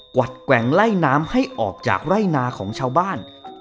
วัดแกว่งไล่น้ำให้ออกจากไร่นาของชาวบ้าน